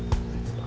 tidak terlalu awal